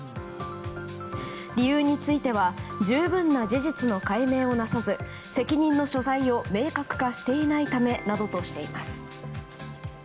理由については十分な事実の解明をなさず責任の所在を明確化していないためなどとしています。